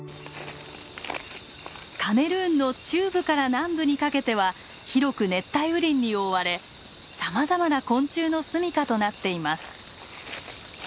カメルーンの中部から南部にかけては広く熱帯雨林に覆われさまざまな昆虫のすみかとなっています。